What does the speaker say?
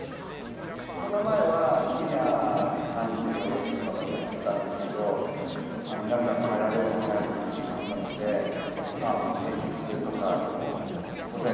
コロナ前は深夜３時とか４時とかまでやってたんですけど、皆さん、帰られるのが早くなってしまったので、もう平日とかでも、午前０